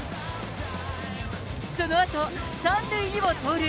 そのあと３塁にも盗塁。